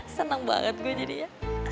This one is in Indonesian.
senang banget gue jadi ya